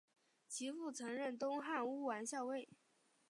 其父曾任东汉乌丸校尉。